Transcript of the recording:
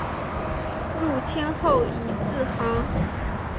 入清后以字行。